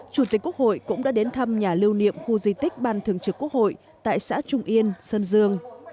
chủ tịch quốc hội cũng đã đến thăm nhà lưu niệm khu di tích ban thường trực quốc hội tại xã trung yên sơn dương